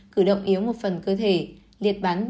cử động yếu một phần cơ thể liệt bắn